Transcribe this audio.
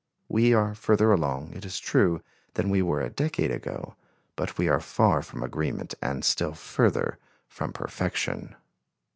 We are further along, it is true, than we were a decade ago; but we are far from agreement and still further from perfection.